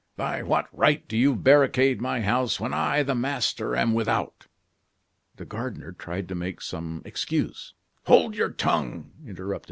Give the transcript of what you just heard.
"By what right do you barricade my house when I, the master, am without?" The gardener tried to make some excuse. "Hold your tongue!" interrupted M.